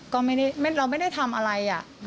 ก็ไม่ได้เราไม่ได้ทำอะไร